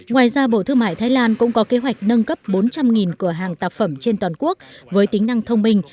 ngoài ra bộ thương mại thái lan cũng có kế hoạch nâng cấp bốn trăm linh cửa hàng tạp phẩm trên toàn quốc với tính năng thông minh